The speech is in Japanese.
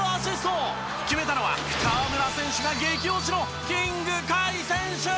決めたのは河村選手が激推しのキング開選手！